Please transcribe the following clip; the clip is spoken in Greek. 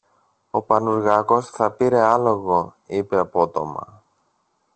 Ο Πανουργάκος θα πήρε άλογο, είπε απότομα.